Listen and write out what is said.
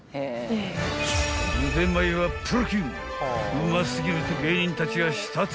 ［うま過ぎると芸人たちが舌鼓］